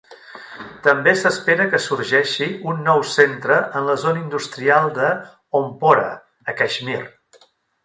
També s'espera que sorgeixi un nou centre en la zona industrial de Ompora, a Caixmir.